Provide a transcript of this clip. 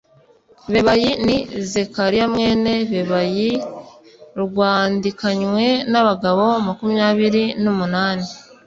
Bebayi ni Zekariya mwene Bebayi r wandikanywe n abagabo makumyabiri n umunani